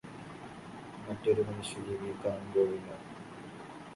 മറ്റൊരു മനുഷ്യജീവിയെ കാണുമ്പോഴുള്ള